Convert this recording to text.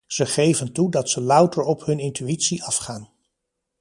Ze geven toe dat ze louter op hun intuïtie afgaan.